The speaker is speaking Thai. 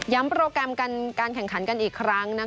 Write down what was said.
โปรแกรมการแข่งขันกันอีกครั้งนะคะ